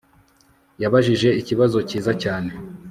Yabajije ikibazo cyiza cyane